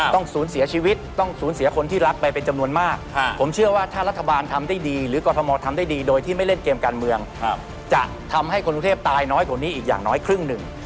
ศูนย์เสียชีวิตต้องสูญเสียคนที่รักไปเป็นจำนวนมากผมเชื่อว่าถ้ารัฐบาลทำได้ดีหรือกรทมทำได้ดีโดยที่ไม่เล่นเกมการเมืองจะทำให้คนกรุงเทพตายน้อยกว่านี้อีกอย่างน้อยครึ่งหนึ่ง